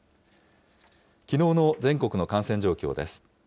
きのうの全国の感染状況です。